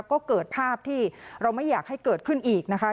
ก็เกิดภาพที่เราไม่อยากให้เกิดขึ้นอีกนะคะ